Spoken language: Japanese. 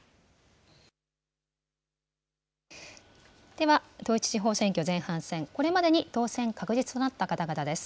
では、統一地方選挙前半戦、これまでに当選確実となった方々です。